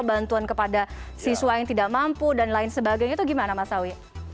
bantuan kepada siswa yang tidak mampu dan lain sebagainya itu gimana mas sawi